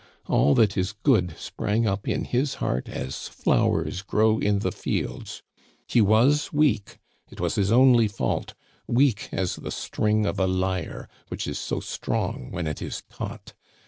All that is good sprang up in his heart as flowers grow in the fields. He was weak; it was his only fault, weak as the string of a lyre, which is so strong when it is taut.